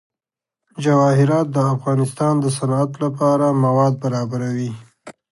جواهرات د افغانستان د صنعت لپاره مواد برابروي.